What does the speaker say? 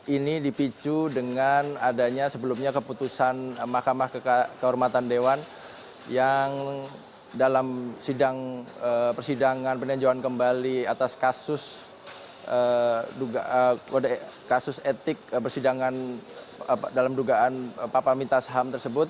ini dipicu dengan adanya sebelumnya keputusan mahkamah kehormatan dewan yang dalam persidangan peninjauan kembali atas kasus etik persidangan dalam dugaan papa minta saham tersebut